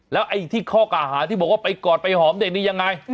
แล้วไอ้ที่ข้อกล่าวหาที่บอกว่าไปกอดไปหอมเด็กนี่ยังไง